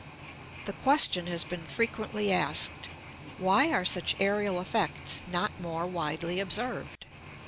The question has been frequently asked: Why are such aërial effects not more widely observed?